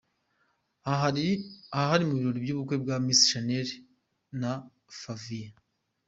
Aha hari mu birori by’ubukwe bwa Miss Shanel na Favier.